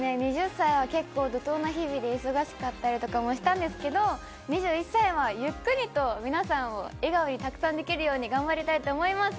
２０歳は結構怒とうの日々で忙しかったりしたんですけど２１歳はゆっくりと皆さんを笑顔にたくさんできるように頑張りたいと思います。